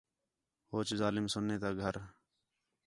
ہوچ ظالم سُنّے تا گھر